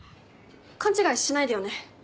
勘違いしないでよね